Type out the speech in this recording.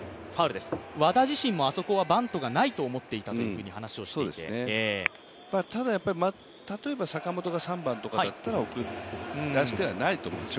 和田自身もあそこはバントがないと思っていたというような例えば坂本が３番とかだったら送らせてはないと思うんですよ